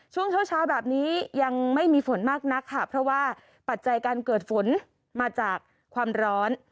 ช่วงเช้าเช้าแบบนี้ยังไม่มีฝนมากนักค่ะเพราะว่าปัจจัยการเกิดฝนมาจากความร้อน